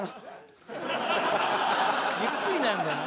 ゆっくりなんだよな。